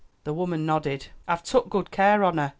The woman nodded. "I've tuck good care on her.